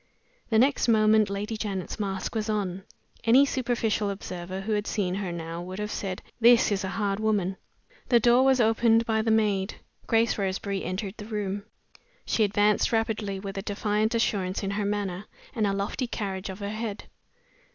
The next moment Lady Janet's mask was on. Any superficial observer who had seen her now would have said, "This is a hard woman!" The door was opened by the maid. Grace Roseberry entered the room. She advanced rapidly, with a defiant assurance in her manner, and a lofty carriage of her head.